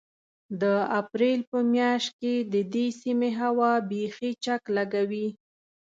د اپرېل په مياشت کې د دې سيمې هوا بيخي چک لګوي.